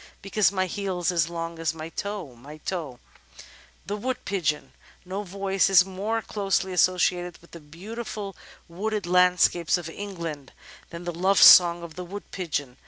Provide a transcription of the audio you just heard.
Because my heel's as long as my toe, my toe. The Wood Pigeon No voice is more closely associated with the beautiful wooded landscapes of England than the love song of the Wood Pigeon.